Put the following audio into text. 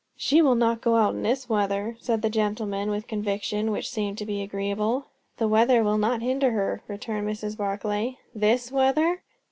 "She will not go out in this weather," said the gentleman, with conviction which seemed to be agreeable. "The weather will not hinder her," returned Mrs. Barclay. "This weather?"